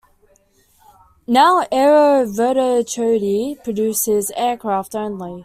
Now Aero Vodochody produces aircraft only.